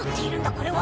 これは。